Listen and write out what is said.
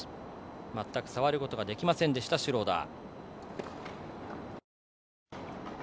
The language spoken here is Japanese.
全く触ることができませんでした、シュローダー。